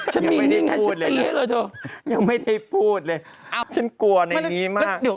ยังไม่ได้พูดเลยนะยังไม่ได้พูดเลยฉันกลัวในอย่างนี้มาก